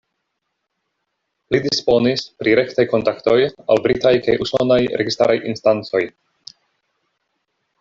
Li disponis pri rektaj kontaktoj al britaj kaj usonaj registaraj instancoj.